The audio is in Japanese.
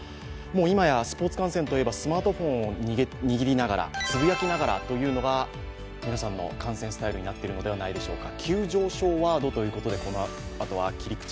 今やスポーツ観戦と言えばスマートフォンを握りながらつぶやきながらというのが皆さんの観戦スタイルになっているのではないでしょうか。